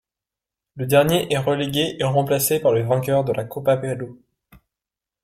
Le dernier est relégué et remplacé par le vainqueur de la Copa Perú.